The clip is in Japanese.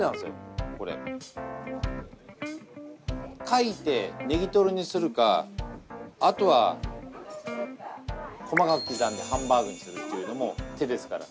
かいてネギトロにするかあとは細かく刻んでハンバーグにするっていうのも手ですから。